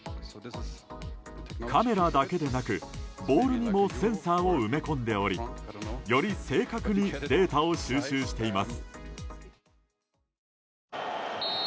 カメラだけでなく、ボールにもセンサーを埋め込んでおりより正確にデータを収集しています。